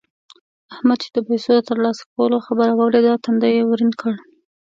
احمد چې د پيسو د تر لاسه کولو خبره واورېده؛ تندی يې ورين کړ.